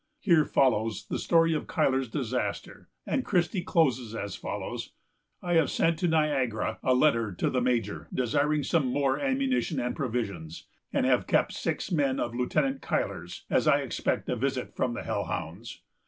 Here follows the story of Cuyler's disaster, and Christie closes as follows: "I have sent to Niagara a letter to the Major, desiring some more ammunition and provisions, and have kept six men of Lieutenant Cuyler's, as I expect a visit from the hell hounds.